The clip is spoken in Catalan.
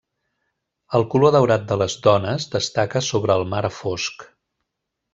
El color daurat de les dones destaca sobre el mar fosc.